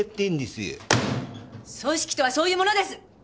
組織とはそういうものです！